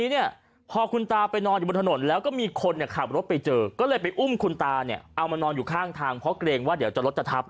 ทีนี้เนี่ยพอคุณตาไปนอนอยู่บนถนนแล้วก็มีคนขับรถไปเจอก็เลยไปอุ้มคุณตาเนี่ยเอามานอนอยู่ข้างทางเพราะเกรงว่าเดี๋ยวจะรถจะทับ